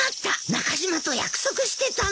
中島と約束してたんだ。